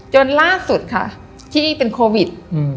จนล่าสุดค่ะที่เป็นโควิด